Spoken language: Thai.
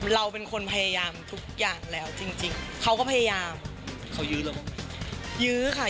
เราเป็นคนพยายามทุกอย่างแล้วจริงเขาก็พยายามเขายื้อหรือเปล่า